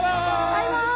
バイバーイ